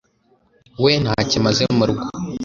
we ntacyo amaze mu rugo